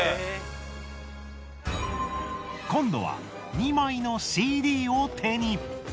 今度は２枚のＣＤを手に！